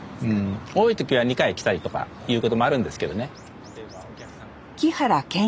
多い時は２回来たりとかいうこともあるんですけどね。